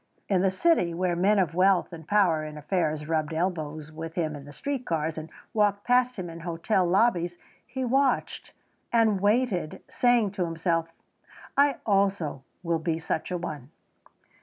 In the city where men of wealth and power in affairs rubbed elbows with him in the street cars and walked past him in hotel lobbies he watched and waited saying to himself, "I also will be such a one."